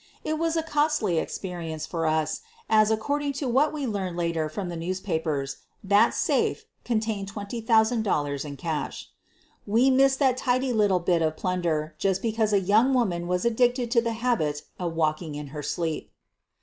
It was a costly experience for us as, according to what we learned later from the newspapers, that safe contained $20,000 in cash. We missed that tidy little bit of plunder just be cause a young woman was addicted to the habit of walking in her sleep.